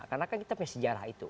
karena kan kita punya sejarah itu